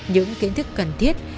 những kiến thức cần thiết